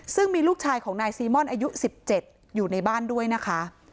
ซึ่งมีลูกชายของนายซีม่อนอายุ๑๗อยู่ในบ้านด้วยนะคะ